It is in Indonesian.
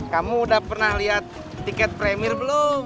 kamu udah pernah lihat tiket premier belum